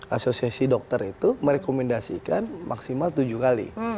asosiasi dokter itu merekomendasikan maksimal tujuh kali